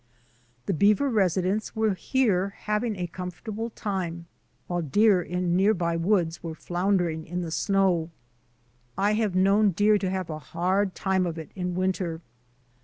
The beaver residents were here having a comfortable time while deer in near by woods were floundering in the snow. I have known deer to have a hard time of it in winter.